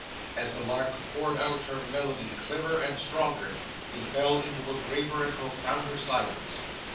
As the lark poured out her melody clearer and stronger, he fell into a graver and profounder silence.